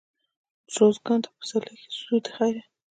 روزګان ته په پسرلي کښي ځو دخيره.